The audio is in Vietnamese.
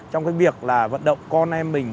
trong cái việc là vận động con em mình